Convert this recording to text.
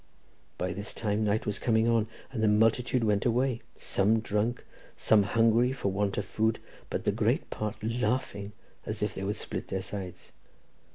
By this time night was coming on, and the multitude went away, some drunk, some hungry for want of food, but the greater part laughing as if they would split their sides.